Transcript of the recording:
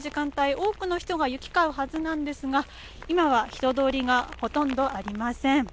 多くの人が行き交うはずなんですが、今は人通りがほとんどありません。